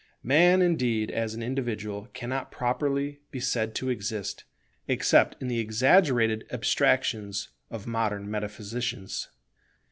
Man indeed, as an individual, cannot properly be said to exist, except in the exaggerated abstractions of modern metaphysicians.